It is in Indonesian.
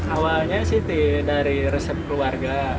awalnya sih dari resep keluarga